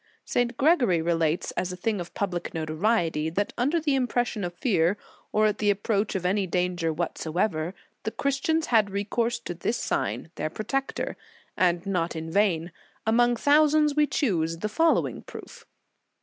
"* St. Gregory relates as a thing of public notoriety, that under the impression of fear, or at the approach of any danger whatsoever, the Christians had recourse to this sign, their protector. And not in vain ; among thou sands we choose the following proof.